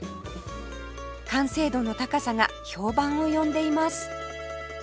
完成度の高さが評判を呼んでいます